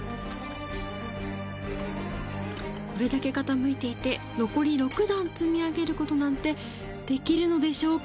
これだけ傾いていて残り６段積み上げることなんてできるのでしょうか？